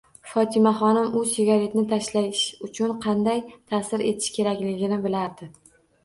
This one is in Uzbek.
Fotimaxonim u sigaretni tashlash uchun qanday ta'sir etish kerakligini bilardi.